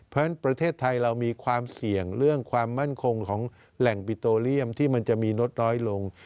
เพราะฉะนั้นประเทศไทยเรามีความเสี่ยงเรื่องความมั่นคงของแหล่งปิโตเรียมที่มันจะมีลดน้อยลง